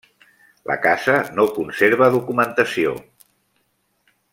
La casa no conserva documentació.